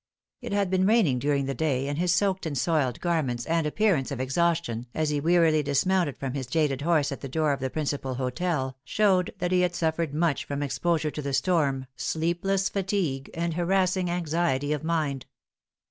It had been raining during the day, and his soaked and soiled garments and appearance of exhaustion as he wearily dismounted from his jaded horse at the door of the principal hotel, showed that he had suffered much from exposure to the storm, sleepless fatigue, and harassing anxiety of mind.